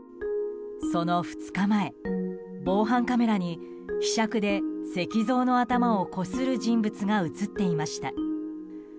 その２日前、防犯カメラにひしゃくで石像の頭をこする人物が映っていました。